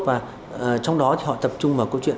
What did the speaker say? và trong đó thì họ tập trung vào câu chuyện